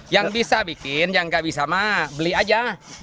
yang bisa bikin yang gak bisa mah beli aja